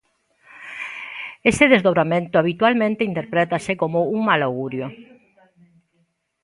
Ese desdobramento, habitualmente, interprétase como un mal augurio.